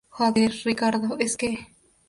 joder, Ricardo, es que...